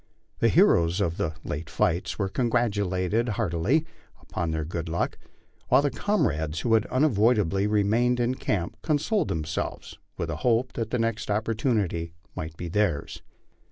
The heroes of the late fights were congratulated heartily upon their good luck, while their comrades who had unavoidably remained in camp con soled themselves with the hope that the next opportunity might be theirs.